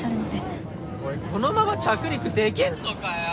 おいこのまま着陸できんのかよ！？